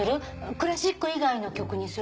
クラシック以外の曲にする？